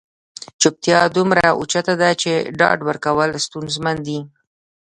چوپتیا دومره اوچته ده چې ډاډ ورکول ستونزمن دي.